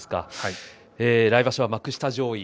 来場所は幕下上位。